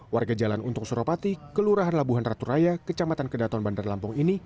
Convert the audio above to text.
warga jalan untung suropati kelurahan labuhan ratu raya kecamatan kedaton bandar lampung ini